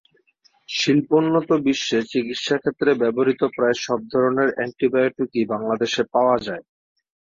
শিল্পোন্নত বিশ্বে চিকিৎসাক্ষেত্রে ব্যবহূত প্রায় সব ধরনের অ্যান্টিবায়োটিকই বাংলাদেশে পাওয়া যায়।